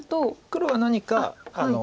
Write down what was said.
黒は何か。